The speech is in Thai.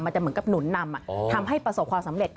จะเหมือนกับหนุนนำทำให้ประสบความสำเร็จ